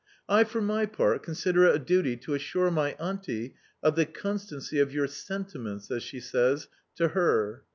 I for my part consider it a duty to assure my auntie of the constancy of 'your sentiments,' as she says, to her.